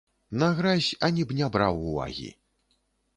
На гразь ані б не браў увагі.